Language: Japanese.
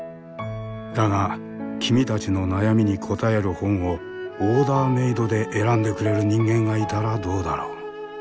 だが君たちの悩みに答える本をオーダーメードで選んでくれる人間がいたらどうだろう？